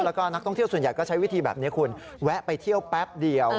แล้วก็นักท่องเที่ยวส่วนใหญ่ก็ใช้วิธีแบบนี้คุณแวะไปเที่ยวแป๊บเดียว